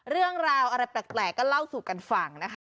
เรื่องราวอะไรแปลกก็เล่าสู่กันฟังนะคะ